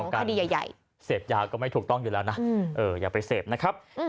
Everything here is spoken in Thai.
ต่างงง